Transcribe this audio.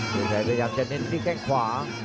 วิทยาชัยพยายามจะเน้นด้วยแข่งขวา